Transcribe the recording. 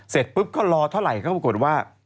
เสร็จปุ๊บก็รอเท่าไหร่ก็ปรากฏว่า